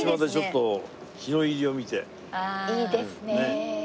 いいですねえ。